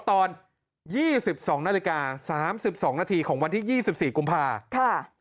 ตอน๒๒นาฬิกา๓๒นาทีของวันที่๒๔กุมภาค่ะ